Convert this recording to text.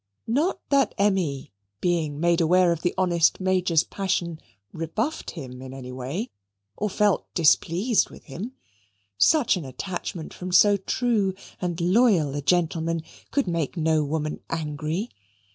Not that Emmy, being made aware of the honest Major's passion, rebuffed him in any way, or felt displeased with him. Such an attachment from so true and loyal a gentleman could make no woman angry.